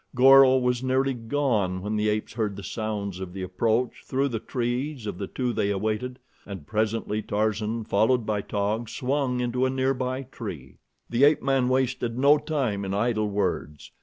Goro was nearly gone when the apes heard the sounds of the approach through the trees of the two they awaited, and presently Tarzan, followed by Taug, swung into a nearby tree. The ape man wasted no time in idle words.